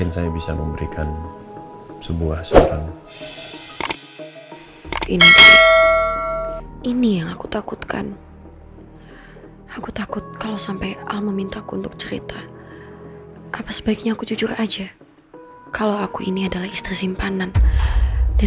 saya belum nemu titik terangnya